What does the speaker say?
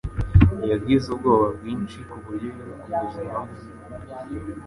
Yagize ubwoba bwinshi kuburyo yiruka ubuzima bwe.